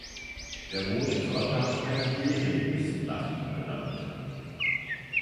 Der Mondkrater Palmieri ist nach ihm benannt.